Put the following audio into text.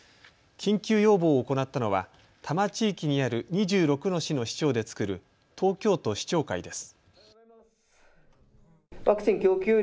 緊急要望を行ったのは多摩地域にある２６の市の市長で作る東京都市長会です。